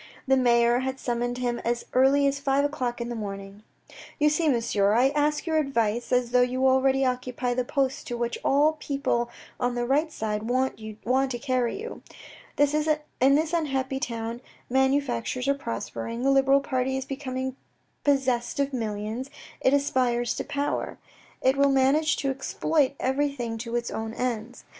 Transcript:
The mayor had summoned him as early as five o'clock in the morning. " You see, monsieur, I ask your advice, as though you already occupy that post to which all the people on the right side want to carry you. In this unhappy town, manufactures are prospering, the Liberal party is becoming possessed of millions, it aspires to power ; it will manage to exploit 104 THE RED AND THE BLACK everything to its own ends.